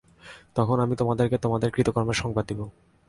তখন আমি তোমাদেরকে তোমাদের কৃতকর্মের সংবাদ দিব।